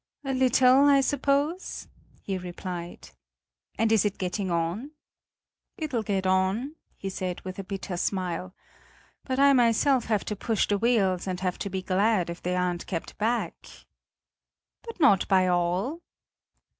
"A little, I suppose," he replied. "And is it getting on?" "It'll get on;" he said with a bitter smile; "but I myself have to push the wheels and have to be glad if they aren't kept back." "But not by all?"